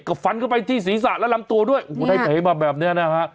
ก็ฟันเข้าไปที่ศีรษะและลำตัวด้วยโอ้โหได้เผลมาแบบเนี้ยนะฮะ